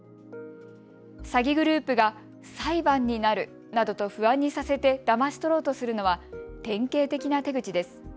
詐欺グループが裁判になるなどと不安にさせてだまし取ろうとするのは典型的な手口です。